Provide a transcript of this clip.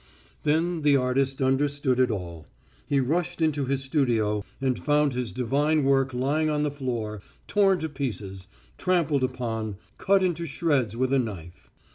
Then the artist understood it all. He rushed into his studio and found his divine work lying on the floor, torn to pieces, trampled upon, cut into shreds with a knife....